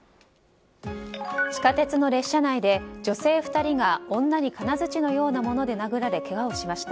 地下鉄の列車内で女性２人が女に金づちのようなもので殴られ、けがをしました。